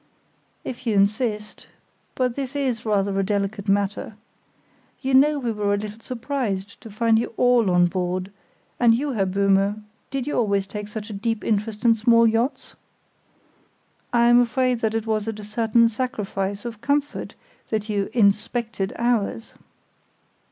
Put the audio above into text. "If you insist; but this is rather a delicate matter. You know we were a little surprised to find you all on board; and you, Herr Böhme, did you always take such a deep interest in small yachts? I am afraid that it was at a certain sacrifice of comfort that you inspected ours!"